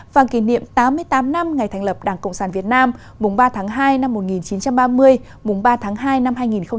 và kỷ niệm tám mươi tám năm ngày thành lập đảng cộng sản việt nam mùng ba tháng hai năm một nghìn chín trăm ba mươi mùng ba tháng hai năm hai nghìn hai mươi